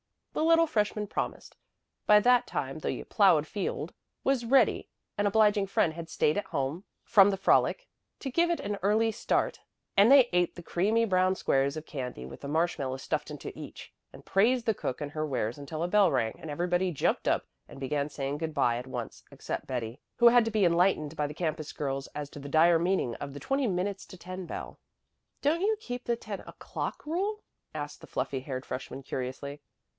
The little freshman promised. By that time the "plowed field" was ready an obliging friend had stayed at home from the frolic to give it an early start and they ate the creamy brown squares of candy with a marshmallow stuffed into each, and praised the cook and her wares until a bell rang and everybody jumped up and began saying good bye at once except Betty, who had to be enlightened by the campus girls as to the dire meaning of the twenty minutes to ten bell. "Don't you keep the ten o'clock rule?" asked the fluffy haired freshman curiously.